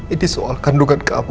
ini soal kandungan kamu